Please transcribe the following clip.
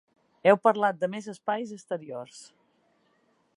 Heu parlat de més espais exteriors.